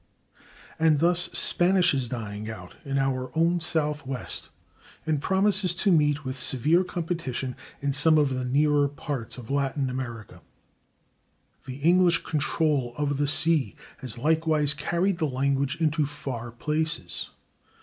And thus Spanish is dying out in our own Southwest, and promises to meet with severe competition in some of the nearer parts of Latin America. The English control of the sea has likewise carried the language into far places.